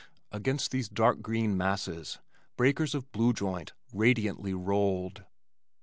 Against these dark green masses, breakers of blue joint radiantly rolled.